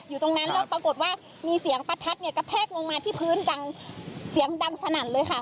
อยู่ตรงนั้นแล้วปรากฏว่ามีเสียงประทัดเนี่ยกระแทกลงมาที่พื้นดังเสียงดังสนั่นเลยค่ะ